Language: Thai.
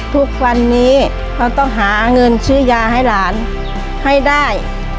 ทุกวันนี้เขาต้องหาเงินซื้อยาให้หลานให้ได้